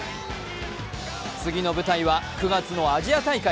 次の舞台は９月のアジア大会。